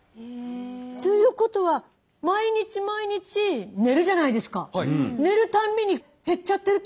ということは毎日毎日寝るじゃないですか。